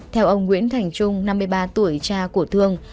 theo ông nguyễn thành trung năm mươi ba tuổi cha của thương